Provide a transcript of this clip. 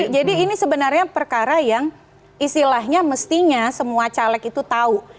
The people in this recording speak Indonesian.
jadi ini sebenarnya perkara yang istilahnya mestinya semua caleg itu tahu